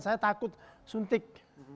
saya takut suntik